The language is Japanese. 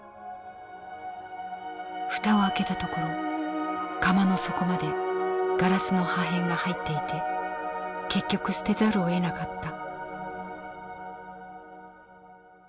蓋を開けたところ釜の底までガラスの破片が入っていて結局捨てざるをえなかった」。